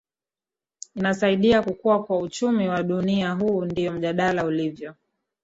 inasaidia kukua kwa uchumi wa dunia huu ndio mjadala ulivyo